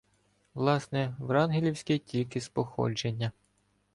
Власне, врангелівський тільки з походження.